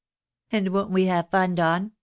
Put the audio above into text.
And won't we have fun, Don ?